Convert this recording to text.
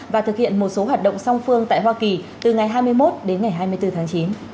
và thực hiện một số hoạt động song phương tại hoa kỳ từ ngày hai mươi một đến ngày hai mươi bốn tháng chín